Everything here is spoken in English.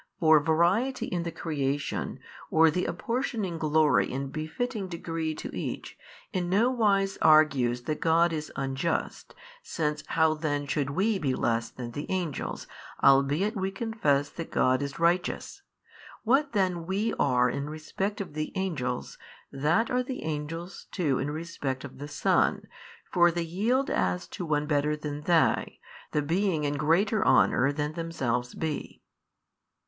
For variety in the creation, or the apportioning glory in befitting degree to each, in no wise argues that God is unjust, since how then should WE be less than the angels, albeit we confess that God is Righteous? What then we are in respect of the angels, that are the angels too in respect of the Son; for they yield as to one better than they, the being in greater honour than themselves be."